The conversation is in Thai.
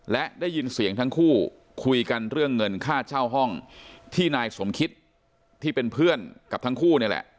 และได้ยินเสียงทั้งคู่คุยกันเรื่องเงินค่าเช่าห้องที่นายสมคิตที่เป็นเพื่อนกับทั้งคู่นี่แหละ